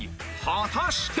果たして！？